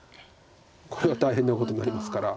これが大変なことになりますから。